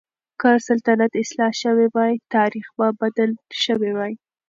که سلطنت اصلاح شوی وای، تاريخ به بدل شوی وای.